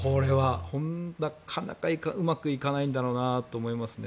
なかなかうまくいかないんだろうなと思いますね。